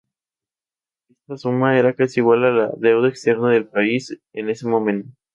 Esta suma era casi igual a la deuda externa del país en ese momento.